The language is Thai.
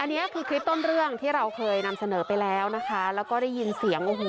อันนี้คือคลิปต้นเรื่องที่เราเคยนำเสนอไปแล้วนะคะแล้วก็ได้ยินเสียงโอ้โห